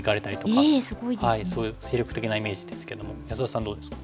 そういう精力的なイメージですけども安田さんどうですか？